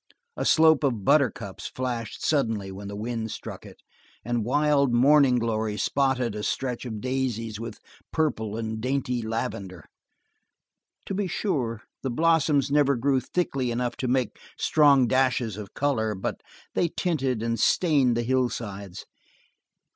A slope of buttercups flashed suddenly when the wind struck it and wild morning glory spotted a stretch of daisies with purple and dainty lavender. To be sure, the blossoms never grew thickly enough to make strong dashes of color, but they tinted and stained the hillsides.